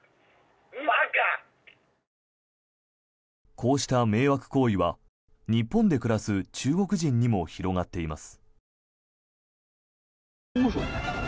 こうした迷惑行為は日本で暮らす中国人にも広がっています。